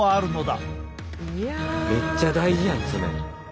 めっちゃ大事やん爪。